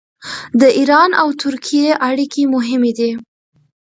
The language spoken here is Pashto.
د ایران او ترکیې اړیکې مهمې دي.